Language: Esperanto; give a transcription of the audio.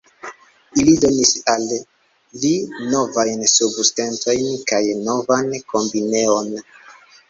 Ili donis al li novajn subvestojn kaj novan kombineon.